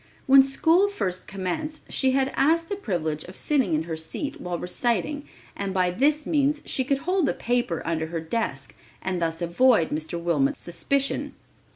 When school first commenced she had asked the privilege of sitting in her seat while reciting and by this means she could hold the paper under her desk and thus avoid Mr. Wilmot's suspicion.